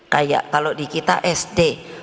kayak kalau di kita sd